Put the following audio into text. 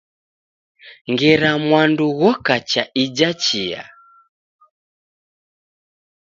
Ngera mwandu ghoka cha ija chia.